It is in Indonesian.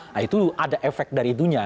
nah itu ada efek dari itunya